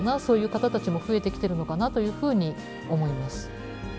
そういう方たちも増えてきてるのかなというふうに思います。